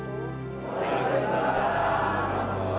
walaikumussalam warahmatullahi wabarakatuh